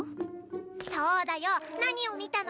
そうだよ何を見たの？